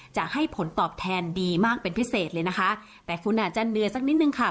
จะให้ผลตอบแทนดีมากเป็นพิเศษเลยนะคะแต่คุณอาจจะเหนือสักนิดนึงค่ะ